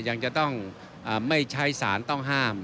ยังจะต้องไม่ใช้สารต้องห้าม